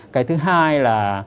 cái thứ hai là